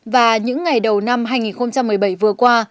và những ngày đầu năm hai nghìn một mươi bảy vừa qua